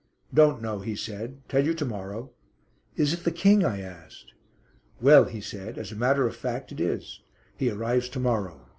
"Don't know," he said. "Tell you to morrow." "Is it the King?" I asked. "Well," he said, "as a matter of fact it is. He arrives to morrow.